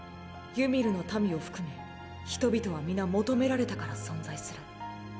ユミルの民を含め人々は皆求められたから存在する。